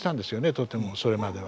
とてもそれまでは。